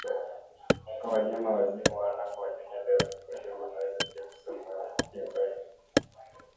kwa wanyama wazima wanapowanyonya damu Ugonjwa huu unaweza pia kusambazwa kupitia kwa nzi